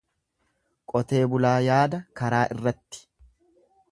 Qotee bulaa yaada karaa irratti.